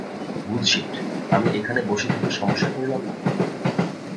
Bullshit আমি এখানে বসে থেকে সমস্যা করলাম নাকি?